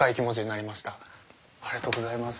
ありがとうございます。